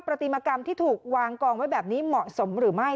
ปฏิมากรรมที่ถูกวางกองไว้แบบนี้เหมาะสมหรือไม่